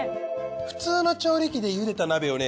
普通の調理器でゆでた鍋をね